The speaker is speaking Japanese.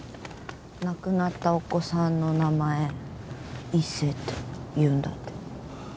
亡くなったお子さんの名前一星っていうんだって。